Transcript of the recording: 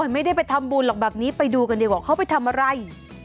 ไม่ได้ไปทำบุญหรอกแบบนี้ไปดูกันดีกว่าเขาไปทำอะไร